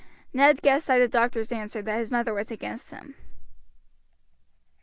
Ned guessed by the doctor's answer that his mother was against him.